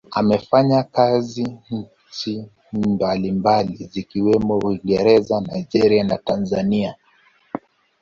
Amefanya kazi nchi mbalimbali zikiwemo Uingereza, Nigeria na Tanzania.